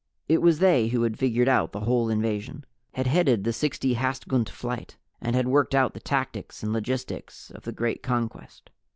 It was they who had figured out the whole invasion, had headed the Sixty Hastgunt Flight, and had worked out the tactics and logistics of the Great Conquest.